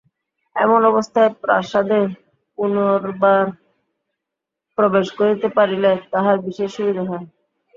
এমন অবস্থায় প্রাসাদে পুনর্বার প্রবেশ করিতে পারিলে তাঁহার বিশেষ সুবিধা হয়।